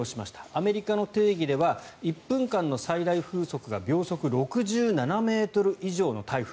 アメリカの定義では１分間の最大瞬間風速が秒速６７ｍ以上の台風